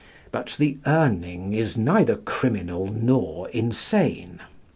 But the Urning is neither criminal nor insane.